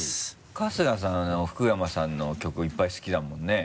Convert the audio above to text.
春日さん福山さんの曲いっぱい好きだもんね。